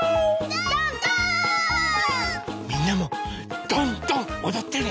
みんなもドンドンおどってね！